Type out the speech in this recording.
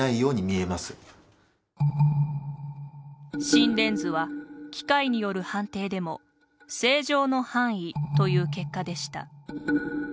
心電図は、機械による判定でも正常の範囲という結果でした。